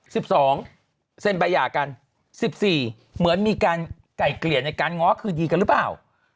สิบสองเซ็นใบหย่ากันสิบสี่เหมือนมีการไก่เกลี่ยในการง้อคืนดีกันหรือเปล่า